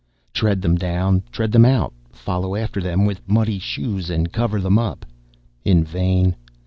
Tread them down; tread them out; follow after them with muddy shoes, and cover them up. In vain.